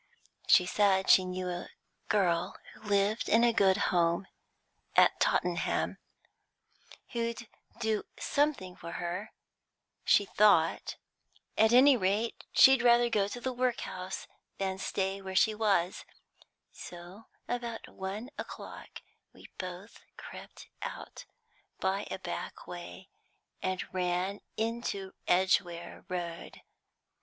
She said she knew a girl who lived in a good home at Tottenham, and who'd do something for her, she thought. At any rate she'd rather go to the workhouse than stay where she was. So, about one o'clock, we both crept out by a back way, and ran into Edgware Road.